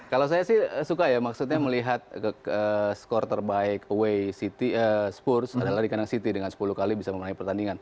kalau saya sih suka ya maksudnya melihat skor terbaik away spurs adalah di kandang city dengan sepuluh kali bisa memenangi pertandingan